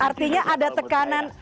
artinya ada tekanan